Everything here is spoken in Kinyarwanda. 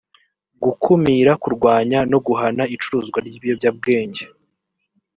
gukumira kurwanya no guhana icuruzwa ryibiyobyabwenge